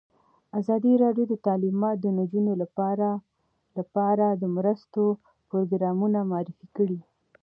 ازادي راډیو د تعلیمات د نجونو لپاره لپاره د مرستو پروګرامونه معرفي کړي.